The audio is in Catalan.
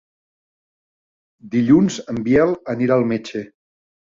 Dilluns en Biel anirà al metge.